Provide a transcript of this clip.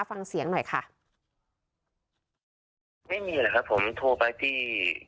ฟังเสียงหน่อยค่ะไม่มีหรอกครับผมโทรไปที่